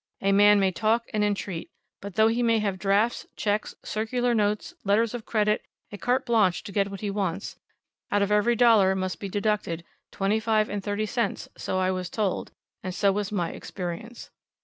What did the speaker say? A man may talk and entreat, but though he may have drafts, cheques, circular notes, letters of credit, a carte blanche to get what he wants, out of every dollar must, be deducted twenty, twenty five and thirty cents, so I was told, and so was my experience.